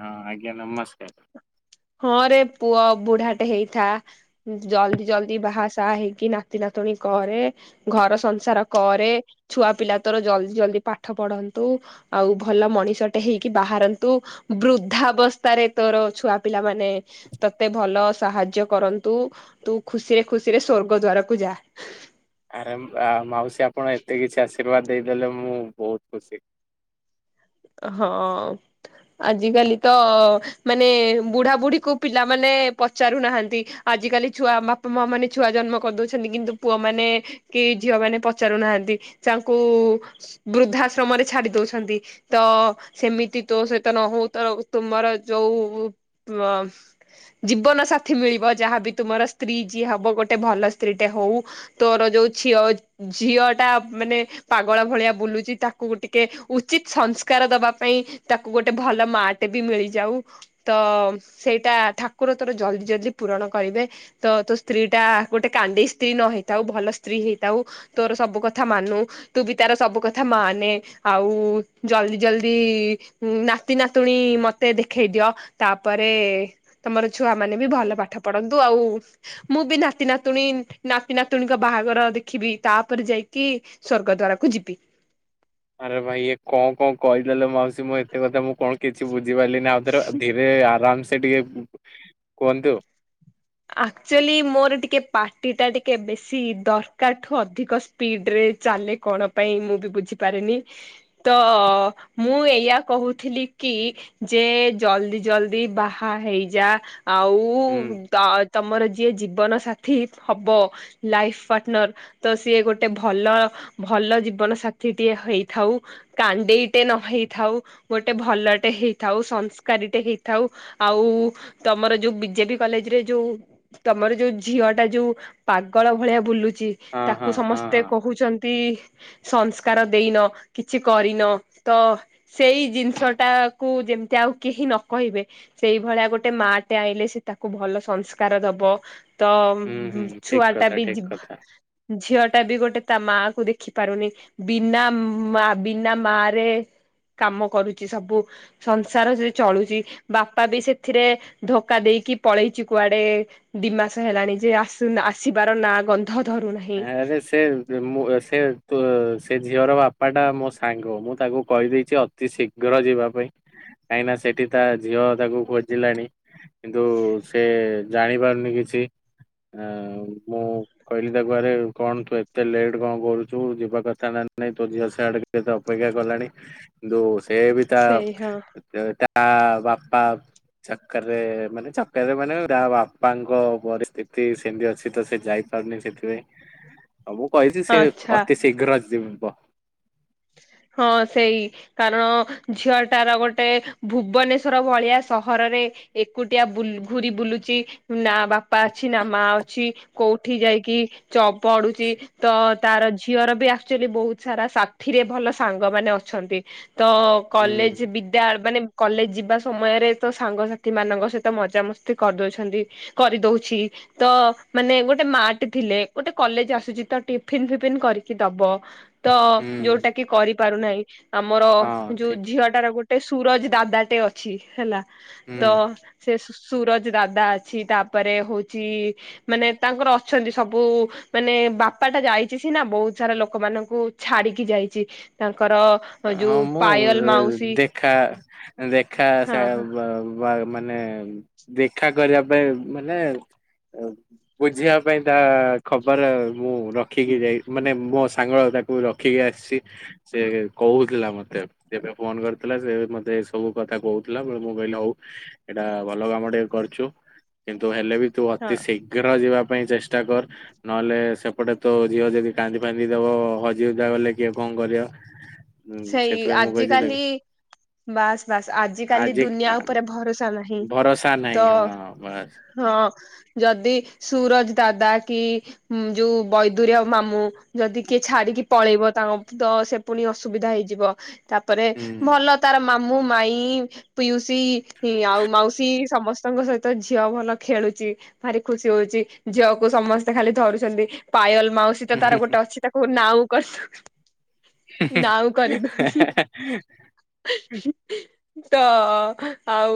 ହଁ, ଆଜ୍ଞା ନମସ୍କାର। ହଁ ରେ ପୁଅ, ବୁଢାଟେ ହେଇଥା। ଜଲଦି ଜଲଦି ବାହାସାହା ହେଇକି ନାତି ନାତିଣୀ କରେ। ଘର ସଂସାର କରେ, ଛୁଆ ପିଲା ତୋର ଜଲଦି ଜଲଦି ପାଠ ପଢନ୍ତୁ ଆଉ ଭଲ ମଣିଷଟେ ହେଇକି ବାହରନ୍ତୁ, ବୃଦ୍ଧାବସ୍ଥାରେ ତୋର ଛୁଆ ପିଲାମାନେ ତତେ ଭଲ ସାହାଯ୍ୟ କରନ୍ତୁ। ତୁ ଖୁସିରେ ଖୁସିରେ ସ୍ଵର୍ଗ ଦ୍ବାରକୁ ଯା। ଆରେ ଆ ମାଉସୀ ଆପଣ ଏତେ କିଛି ଆଶୀର୍ବାଦ ଦେଇଦେଲେ ମୁଁ ବହୁତ ଖୁସି। ହଁ। ଆଜିକାଲି ତ, ମାନେ ବୁଢାବୁଢୀକୁ ପିଲାମାନେ ପଚାରୁନାହାନ୍ତି। ଆଜ କାଲି ଛୁଆ, ବାପା ମା ମାନେ ଛୁଆ ଜନ୍ମ କରିଦଉଛନ୍ତି, କିନ୍ତୁ ପୁଅମାନେ କି ଝିଅ ମାନେ ପଚାରୁନାହାନ୍ତି। ତାଙ୍କୁ ବୃଦ୍ଧାଶ୍ରମରେ ଛାଡି ଦଉଛନ୍ତି। ତ ସେମିତି ତୋ ସହିତ ନହଉ। ତର ତୁମର ଯୋଉ ଜୀବନସାଥି ମିଳିବ, ଯାହାବି ତୁମର ସ୍ତ୍ରୀ ଯିଏ ହବ ଗୋଟେ ଭଲ ସ୍ତ୍ରୀଟେ ହଉ। ତୋର ଯୋଉ ଝିଅ ଝିଅଟା ମାନେ ପାଗଳ ଭଳିଆ ବୁଲୁଚି, ତାକୁ ଟିକେ ଉଚିତ ସଂସ୍ ସ୍କାର ଦବା ପାଇଁ ତାକୁ ଗୋଟେ ଭଲ ମାଟେ ବି ମିଳିଯାଉ। ତ ସେଇଟା ଠାକୁର ତୋର ଜଲଦି ଜଲଦି ପୂରଣ କରିବେ। ତ ତୋ ସ୍ତ୍ରୀ ଟା ଗୋଟେ କାଣ୍ଡେଇ ସ୍ତ୍ରୀ ନହେଇଥାଉ, ଭଲ ସ୍ତ୍ରୀ ହେଇଥାଉ। ତୋର ସବୁ କଥା ମାନୁ। ତୁ ବି ତାର ସବୁ କଥା ମାନେ। ଆଉ ଜଲଦି ଜଲଦି ନାତି ନାତୁଣୀ ମତେ ଦେଖେଇ ଦିଅ। ତାପରେ ତମର ଛୁଆ ମାନେ ବି ଭଲ ପାଠ ପଢନ୍ତୁ। ଆଉ ମୁଁ ବି ନାତି ନାତୁଣୀ, ନାତି ନାତୁଣୀଙ୍କ ବାହାଘର ଦେଖିବି। ତାପରେ ଯାଇକି ସ୍ଵର୍ଗଦ୍ୱାର କୁ ଯିବି। ଆରେ ଭାଇ ଏ କଣ କଣ କହିଦେଲେ ମାଉସୀ, ମୋ ଏତେ କଥା ମୁଁ କଣ କିଛି ବୁଝିପାରିଲିନି। ଆଉଥରେ ଧୀରେ ଆରାମସେ ଟିକେ କୁହନ୍ତୁ। ଆକ୍ଚୁଆଲି ମୋର ଟିକେ ପାଟିଟା ଟିକେ ବେଶୀ ଦରକାରଠୁ ଅଧିକ ସ୍ପିଡରେ ଚାଲେ କଣ ପାଇଁ, ମୁଁ ବି ବୁଝିପାରେନି। ତ ମୁଁ ଏଇଆ କହୁଥିଲି କି ଯେ ଜଲ୍ଦି ଜଲ୍ଦି ବାହା ହେଇଯା। ଆଉ ହୁଁ ତ ତମର ଯିଏ ଜୀବନ ସାଥୀ ହବ, ଲାଇଫ ପାର୍ଟନର ତ ସିଏ ଗୋଟେ ଭଲ, ଭଲ ଜୀବନ ସାଥୀଟିଏ ହେଇଥାଉ। କାଣ୍ଡେଇଟେ ନ ହେଇଥାଉ। ଗୋଟେ ଭଲଟେ ହେଇଥାଉ। ସଂସ୍କାରୀଟେ ହେଇଥାଉ। ଆଉ ତମର ଯୋଉ ବିଜେପି କଲେଜରେ ଯୋଉ ତମର ଯୋଉ ଝିଅଟା ଯୋଉ ପାଗଳ ଭଳିଆ ବୁଲୁଚି ହଁ ହଁ ତାକୁ ହଁ ସମସ୍ତେ ହଁ। କହୁଛନ୍ତି ସଂସ୍କାର ଦେଇନ, କିଛି କରିନ‌। ତ ସେଇ ଜିନିଷ ଟାକୁୁ, ଯେମିତି ଆଉ କେହି ନ କହିବେ। ସେଇଭଳିଆ ଗୋଟେ ମା ଟେ ଆଇଲେ, ସେ ତାକୁ ଭଲ ସଂସ୍କାର ଦବ। ତ ହୁଁ ହୁଁ ଠିକ ଛୁଆ ଟା କଥା ବି ଠିକ ଯି କଥା। ଝିଅଟା ବି ଗୋଟେ ତା ମା କୁ ଦେଖି ପାରୁନି। ବିନା ମା ବିନା ମା ରେ କାମ କରୁଚି ସବୁ। ସଂସାର ସେ ଚଳୁଚି। ବାପା ବି ସେଥିରେ ଧୋକା ଦେଇକି ପଳେଇଚି କୁଆଡେ ଦିମାସ ହେଲାଣି ଯେ ଆସୁ ଆସିବାର ନାଁ ଗ ନ୍ଧ ଧରୁନାହିଁ। [unintelligible] ସେ ମୁଁ ସେ ତୋ ସେ ଝିଅର ବାପାଟା ମୋ ସାଙ୍ଗ। ମୁଁ ତାକୁ କହିଦେଇଚି ଅତି ଶୀଘ୍ର ଯିବା ପାଇଁ। କାହିଁକି ନା ସେଠି ତା ଝିଅ ତାକୁ ଖୋଜିଲାଣି। କିନ୍ତୁ ସେ ଜାଣି ପାରୁନି କିଛି। ଆ ମୁଁ କହିଲି ତାକୁ ଆରେ କଣ ତୁ ଏତେ ଲେଟ୍ କଣ କରୁଚୁ ଯିବା କଥା ନ ନାଇଁ ତୋ ଝିଅ ସିଆଡେ ତତେ ଅପେକ୍ଷା କଲାଣି। ଯୋଉ ସେ ବି ତା ସେଇ ହଁ ତା ବାପା ଚକର୍ ରେ ମାନେ ଚକର ରେ ମାନେ ତା ବାପାଙ୍କ ପରିସ୍ଥିତି ସେମିତି ଅଛି ତ ସେ ଯାଇ ଯାଇ ପାରୁନି ସେଥିପାଇଁ। ଆଉ ମୁଁ କହିଚି ସେ ଆଚ୍ଛା ଅତି ଶୀଘ୍ର ଯିବ। ହଁ ସେଇ। କାରଣ ଝିଅ ଟାର ଗୋଟେ ଭୁବନେଶ୍ଵର ଭଳିଆ ସହରରେ ଏକୁଟିଆ ବୁଲ ଘୁରି ବୁଲୁଛି ନା ବାପା ଅଛି ନା ମା ଅଛି? କୋଉଠି ଯାଇକି ଚ ପଡୁଛି ତ ତାର ଝିଅର ବି ଆକ୍ଚୁଆଲି ବହୁତ ସାରା ସଆ ଏଥିିରେ ଭଲ ସାଙ୍ଗ ମାନେ ଅଛନ୍ତି। ତ ହୁଁ କଲେଜ ବିଦ୍ୟା ମାନେ କଲେଜ ଯିବା ସମୟରେ ତ ସାଙ୍ଗସାଥି ମାନଙ୍କ ସହିତ ମଜାମସ୍ତି କରିଦଉଛନ୍ତି। କରିଦଉଛି। ତ ମାନେ ଗୋଟେ ମା ଟି ଥିଲେ ଗୋଟେ କଲେଜ ଆସୁଛି ତ ଟିଫିନ ଫିଫିନ କରିକି ଦବ। ତ ହୁଁ ଯୋଉଟା କି କରିପାରୁନାହିଁ, ଆମର ହଁ ଯୋଉ ଠିକ ଝିଅଟାର ଗୋଟେ ସୁରଜ ଦାଦାଟେ ଅଛି ହେଲା। ହୁଁ ତ ସେ ସୁ ସୁରଜ ଦାଦା ଅଛି। ତାପରେ ହଉଛି ମାନେ ତାଙ୍କର ଅଛନ୍ତି ସବୁ। ମାନେ ବାପା ଟା ଯାଇଛି ସିନା ବହୁତ ସାରା ଲୋକମାନଙ୍କୁ ଛାଡିକି ଯାଇଛି। ତାଙ୍କର ହଁ ଯୋଉ ମୁଁ ପାୟଲ ଉଁ ମାଉସୀ ଦେଖା ଦେଖା ହଁ ଶା ହଁ ବା ବା ମାନେ ଦେଖା କରିବା ପାଇଁ ମାନେ ବୁଝିବା ପାଇଁ ତା ଖବର ମୁଁ ର ରଖିକି ଯାଇ ମାନେ ମୋ ସାଙ୍ଗ ତାକୁ ରଖିକି ଆସିଛି। ସେ କହୁଥିଲା ମତେ ଯେବେ ଫୋନ କରିଥିଲା ସେ ମତେ ଏ ସବୁ କଥା କହୁଥିଲା ବଟ ମୁଁ କହିଲି ହଉ। ଏଇଟା ଭଲ କାମ ଟିକେ କରୁଛୁ କିନ୍ତୁ ହେଲେ ବି ତୁ ହଁ। ଅତି ସେଇ ଘର ଯିବା ପାଇଁ ଚେଷ୍ଟା କର। ନହେଲେ ସେପଟେ ତୋ ଝିଅ ଯଦି କାନ୍ଦି ଫାନ୍ନ୍ଦି ଦବ ହଜି ହଜା ଗଲେ କିଏ କଣ କରିବ? ହୁଁ ସେଇ ସେଥିପାଇଁ ମୁଁ କହିଛି ଦେଖ ଆଜିିକାଲି ବାସ୍ ବାସ୍ ଆଜିିକାଲି ଆଜି ଦୁନିଆ ଉପରେ ଭରସା ନାହିଁ। ଭରସା ନାହିଁ ତ ହଁ ବାସ୍। ହଁ ଯଦି ସୁରଜ ଦାଦା କି ହୁ ଯୋଉ ବୈଦର ଆ ମାମୁଁ ଯଦି କିଏ ଛାଡିକି ପଳେଇବ ତାଙ୍କ ତ ସେ ପୁଣି ଅ ସୁବିଧା ହେଇଯିବ, ତାପରେ ଭଲ ତାର ମାମୁଁ, ମାଇ ପିଉସୀ ଆଉ ମାଉସୀ ସମସ୍ତଙ୍କ ସହିତ ଝିଅ ଭଲ ଖେଳୁଛି। ଭାରି ଖୁସି ହଉଛି ଝିଅକୁ ସମସ୍ତେ ଖାଲି ଧରୁଛନ୍ତି। ପାଏଲ ମାଉସୀ ତାର ଗୋଟେ ଅଛି ତାକୁ ନାଉ କରି ହୁଁ ନାଉ ହୁଃ କରିଦଉଛି ହେ ହେ ତ ଆଉ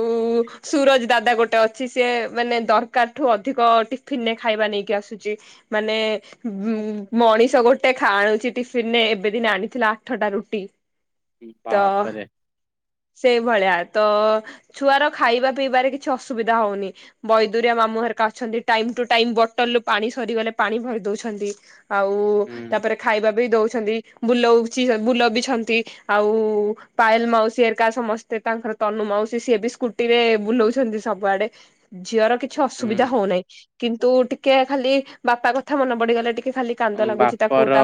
ସୁରଜ ଦାଦା ଗୋଟେ ଅଛି ସିଏ ମାନେ ଦରକାର ଠୁ ଅଧିକ ଟିଫିନରେ ଖାଇବା ନେଇକି ଆସୁଛି। ମାନେ ଉ ମଣିଷ ଗୋଟେ ଖା ଆଣୁଛି ଟିଫିନରେ ଏବେ ଦିନ ଆଣିଥିଲା। ଥଣ୍ଡା ରୁଟି ହୁଁ ତ ବାପରେ। ସେଇ ଭଳିଆ। ତ ଛୁଆର ଖାଇବା ପିଇବାରେ କିଛି ଅସୁବିଧା ହଉନି। ବୈଦରିଆ ମାମୁ ଘର ଅଛନ୍ତି ଟାଇମ ଟୁ ଟାଇମ ବଟଲ ରୁ ପାଣି ସରିଗଲେ ପାଣି ଭରି ଦଉଛନ୍ତି। ଆଉ ହୁଁ ତାପରେ ଖାଇବା ବି ଦଉଛନ୍ତି ବୁଲଉଛି ବୁଲ ବିଛନ୍ତି। ଆଉ ପାଏଲ୍ ମାଉସୀ ହେରିକା ସମସ୍ତେ ତାଙ୍କର ତନୁ ମାଉସୀ ସିଏ ବି ସ୍କୁ ଟିରେ ବୁଲଉଛନ୍ତି ସବୁଆଡେ। ଝିଅର କିଛି ଅସୁବିଧା ହଉନାହିଁ କିନ୍ତୁ ଟିକେ ଖାଲି ବାପା କଥା ମନେ ପଡିଗଲେ ଟିକେ ଖାଲି କାନ୍ଦ ଲାଗୁଛି ତାକୁ ବାପର ତା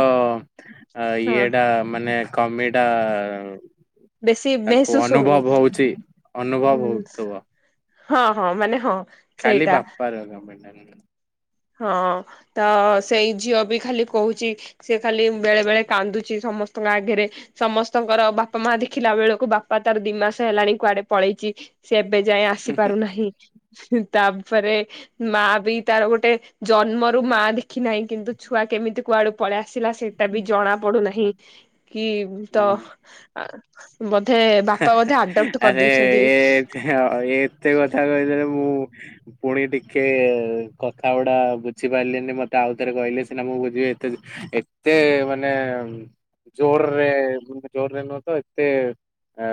ଆ ହଁ ଇଏଟା ମାନେ କମିଟା ବେଶୀ ତାକୁ ମେହସୁସ ହଉନି ଅନୁଭବ ହଉଛି ଅନୁଭବ ହଉଥୁବ। ହଁ ହଁ ମାନେ ହଁ। ସେଇଟା [unintelligible] ହଁ ତ ସେଇ ଝିଅ ବି ଖାଲି କହୁଛି ସେ ଖାଲି ବେଳେ ବେଳେ କାନ୍ଦୁଛି ସମସ୍ତଙ୍କ ଆଗରେ। ସମସ୍ତଙ୍କର ବାପା, ମା ଦେଖିଲା ବେଳକୁ ବାପା ତାର ଦି ମାସ୍ ହେଲାଣି କୁଆଡେ ପଳେଇଛି। ସେ ଏବେ ଯାଏ ଆସି ପାରୁନାହିଁ। ହୁ ତାପରେ ମା ବି ତାର ଗୋଟେ ଜନ୍ମରୁ ମା ଦେଖି ନାହିଁ କିନ୍ତୁ ଛୁଆ କେମିତି କୁଆଡୁ ପଳେଇଆ ଆସିଲା ସେଇଟା ବି ଜଣା ପଡୁନାହିଁ। କି ତ ହୁଁ। ବୋଧେ ବାପା ବୋଧେ ଆଡପ୍ଟ କରିଦେଇଛନ୍ତି। ହେ ହ ଏତେ କଥା କହିଦେଲେ ମୁଁ ପୁଣି ଟିକେ କଥା ଗୁଡା ବୁଝି ପାରିଲିନି ମତେ ଆଉଥରେ କହିଲେ ସିନା ମୁଁ ବୁଝିବି ଏତେ ଏତେ ମାନେ ଜୋର୍ ରେ ଜୋର୍ ରେ ନୁହୁ ତ ଏତେ ଆ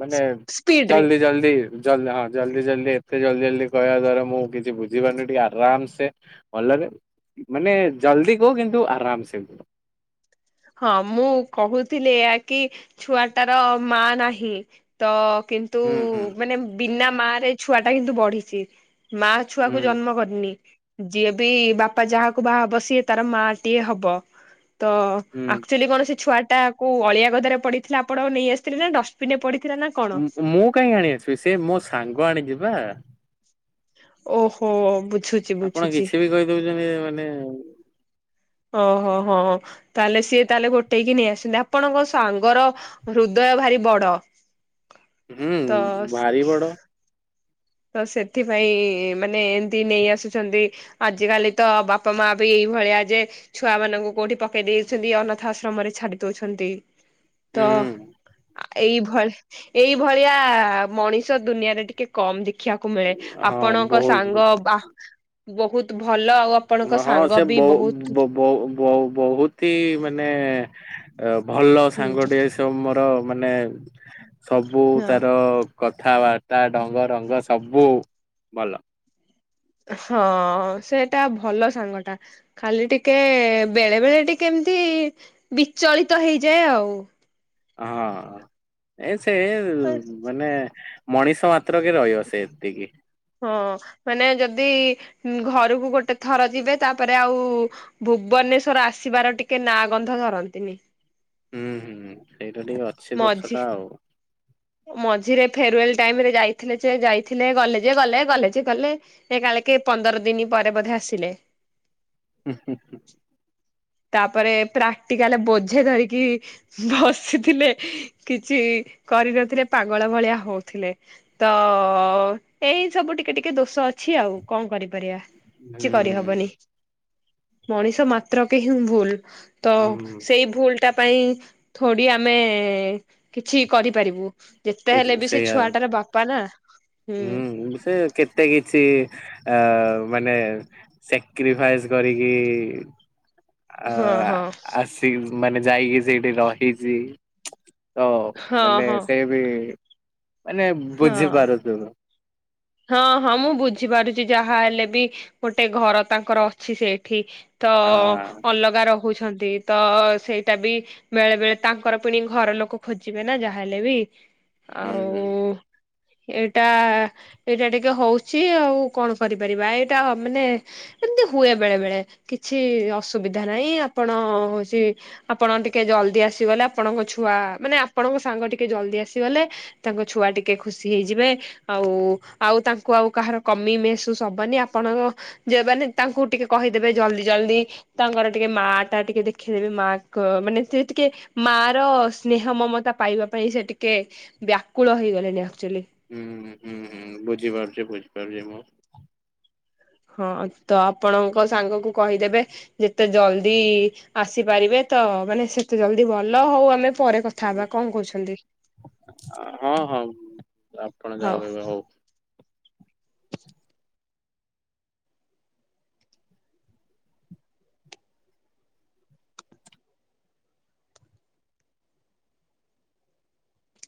ମାନେ ସ୍ପିଡ ରେ ଜଲ୍ଦୀ ଜଲ୍ଦୀ ଜଲ୍ ହଁ ଜଲ୍ଦୀ ଜଲ୍ଦୀ ଏତେ ଜଲ୍ଦୀ ଜଲ୍ଦୀକହିବା ଦ୍ୱାରା ମୁଁ କିଛି ବୁଝିପାରୁନି ଟିକେ ଆରାମ ସେ ଭଲରେ ମାନେ, ଜଲ୍ଦୀ କୁହ କିନ୍ତୁ ଆରାମ ସେ କୁହ। ହଁ ମୁଁ କହୁଥିଲି ଏଇଆ କି ଛୁଆଟାର ମା ନାହିଁ ତ କିନ୍ତୁ ହୁଁ ହୁଁ ମାନେ ବିନା ମାରେ ଛୁଆ ଟା କିନ୍ତୁ ବଢିଛି। ମା ଛୁଆକୁ ଜନ୍ମ କରିନି। ଯିଏ ବି ବାପା ଯାହାକୁ ବାହାହବ ସିଏ ତାର ମା ଟିଏ ହବ। ତ ଆ ହୁଁ ଆକ୍ଚୁଆଲି କଣ ସେ ଛୁଆଟାକୁ ଅଳିଆ ଗଦାରେ ପଡ଼ିଥିଲା ଆପଣ ନେଇଆସିଥିଲେ? ନା ଡଷ୍ଟବିନ୍ ରେ ପଡ଼ିଥିଲା ନା କଣ? ମୁଁ ମୁଁ କାହିଁ ଆଣି ଆସିବି। ସେ ମୋ ସାଙ୍ଗ ଆଣିଛି ପା। ଓହୋ। ବୁଝୁ ଆପଣ କିଛି ବି କହିଦଉଛନ୍ତି ମାନେ ଆଉ। ଓହୋ ହ ହ ହ ତାହେଲେ ସିଏ ତାହେଲେ ଗୋଟେଇକି ନେଇଆସିଛନ୍ତି। ଆପଣଙ୍କ ସାଙ୍ଗର ହୃଦୟ ଭାରି ବଡ଼। ହୁଁ ତ ଭାରି ବଡ ତ ସେଥିପାଇଁ ମାନେ ଏମିତି ନେଇ ଆସୁଛନ୍ତି ଆଜି କାଲି ତ ବାପା ମା ବି ଏଇ ଭଳିଆ ଯେ ଛୁଆ ମାନଙ୍କୁ କୋଉଠି ପକେଇ ଦେଇଅଛନ୍ତି ଅନାଥ ଆଶ୍ରମ ରେ ଛାଡି ଦୋଉଛନ୍ତି। ତ ହୁଁ ଏଇଭଳି ଏଇଭଳିଆ ମଣିଷ ଦୁନିଆରେ ଟିକେ କମ୍ ଦେଖ୍ କୁ ମିଳେ। ହଁ ଆପଣଙ୍କ ବହୁତ ସାଙ୍ଗ ବା ବୋହୁତ୍ ଭଲ ଆଉ ଆପଣଙ୍କ ହଁ ସାଙ୍ଗ ସେ ବି ବହୁ- ବହୁତ ବ- ବ ବୋ-ବହୁତି ହି ମାନେ ଭଲ ହୁଁ ସାଙ୍ଗଟିଏ ସବୁ ମୋର ମାନେ ସବୁ ହଁ ତାର କଥାବାର୍ତ୍ତା ଢ଼ଙ୍ଗରଙ୍ଗ ସବୁ ଭଲ। ହଁ ସେଟା ଭଲ ସାଙ୍ଗଟା। ଖାଲି ଟିକେ ବେଳେ, ବେଳେ ଟିକେ ଏମିତି ବିଚଳିତ ହେଇଯାଏ ଆଉ। ହଁ ଏ ସେ ମାନେ ମଣିଷ ମାତ୍ରକେ ରହିବ ସେ ଏତିକି ହଁ ମାନେ ଯଦି ଘରକୁ ଗୋଟେ ଥର ଯିବେ ତାପରେ ଆଉ ଭୁବନେଶ୍ଵର ଆସିବାର ଟିକେ ନାଁ ଗନ୍ଧ ଧରନ୍ତିନି। ହୁଁ ହୁଁ ଏଇଟା ଟିକେ ଅଧି ମଝୀ ମଝିରେ ଫେରୁୱେଲ୍ ଟାଇମ୍ ରେ ଯାଇଥିଲେ ଯେ ଯାଇଥିଲେ ଗଲେ ଯେ ଗଲେ କଲେଯେ ଗଲେ। ସେ କାଳେ କେ ପନ୍ଦର ଦିନି ପରେ ବୋଧେ ଆସିଲେ। ହୁଁ ହୁଁ ହୁଁ। ତାପରେ ପ୍ରାକ୍ଟିକାଲ୍ ବୋଝେ ଧରିକି ବସିଥିଲେ। କିଛି କରିନଥିଲେ ପାଗଳ ଭଳିଆ ହଉଥିଲେ। ତ ଏଇ ସବୁ ଟିକେ ଟିକେ ଦୋଷ ଅଛି ଆଉ, କଣ କରିପାରିବା। କିଛି କରିହବନି ହୁଁ ମଣିଷ ମାତ୍ରକେ ହିଁ ଭୁଲ୍। ତ ସେଇ ଭୁଲ୍ ଟା ପାଇଁ ଥୋଡ଼ି ଆମେ ଏ କିଛି କରିପାରିବୁ, ଯେତେ ହେଲେ ବି ସେ ସେଇଆ ଛୁଆଟାର ବାପା ନା। ହୁଁ। ହୁଁ ସେ କେତ ଏତେ କିଛି ଅ ମାନେ ସାକ୍ରିଫାଇସ୍ କରିକି ଆ ହଁ ହଁ ଆସ ମାନେ ଯାଇକି ସେଇଠି ରହିଛି। ତ ହଁ ମାନେ ହଁ ସେ ବି ମାନେ ହଁ ବୁଝିପାରୁଥିବ। ହଁ ହଁ। ମୁଁ ବୁଝିପାରୁଛି ଯାହା ହେଲେ ବି ଗୋଟେ ଘର ତାଙ୍କର ଅଛି ସେଇଠି। ତ ହଁ ଅଲଗା ରହୁ ହୁଛନ୍ତି ତ ସେଇଟା ବି ବେଳେ ବେଳେ ତାଙ୍କର ପିଣି ଘର ଲୋକ ଖୋଜିବେ ନା ଯାହାହେଲେ ବି ହୁଁ ଆଉ ଏଇଟା ଏଇଟା ଟିକେ ହଉଛି ଆଉ କଣ କରିପାରିବା ଏଇଟା ମାନେ ଏମତି ହୁଏ ବେଳେ ବେଳେ କିଛି ଅସୁବିଧା ନାହିଁ ଆପଣ ହଉଛି ଆପଣ ଟିକେ ଜଲଦି ଆସିଗଲେ ଆପଣଙ୍କ ଛୁଆ ମାନେ ଆପଣଙ୍କ ସାଙ୍ଗ ଟିକେ ଜଲଦି ଆସିଗଲେ ତାଙ୍କ ଛୁଆ ଟି କେ ଖୁସି ହେଇଯିବେ ଆଉ ଆଉ ତାଙ୍କୁ ଆଉ କାହାର କମି ମେହେଶୁସ ହବନି ଆପଣଙ୍କ ଯେ ମାନେ ତାଙ୍କୁ ଟିକେ କହିଦେବେ ଜଲଦି ଜଲଦି ତାଙ୍କର ଟିକେ ମା ଟା ଟିକେ ଦେଖିଦେବେ ମା କ ମାନେ ସେ ଟିକେ ମା ର ସ୍ନେହ ମମତା ପାଇବା ପାଇଁ ସେ ଟିକେ ବ୍ୟାକୁଳ ହେଇଗଲେଣି ଆକ୍ଚୁଆଲି ହୁଁ ହୁଁ ହୁଁ ବୁଝିପାରୁଛି ବୁଝିପାରୁଛି ମୁଁ ହଁ ତ ଆପଣଙ୍କ ସାଙ୍ଗକୁ କହିଦେବେ ଯେତେ ଜଲଦି ଆସିପାରିବେ ତ ମାନେ ସେତେ ଜଲଦି ଭଲ ହଉ ଆମେ ପରେ କଥା ହବା କଣ କହୁଛନ୍ତି? ହଁ ହଁ ଆପଣ ଯାହା କହିବେ ହଉ।